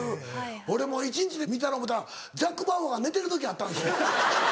俺も一日で見たろ思うたらジャック・バウアー寝てる時あったんですよ。